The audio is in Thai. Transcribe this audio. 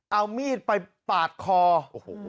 เอามีดไปปาดคอโอ้โห